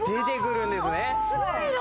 すごい色！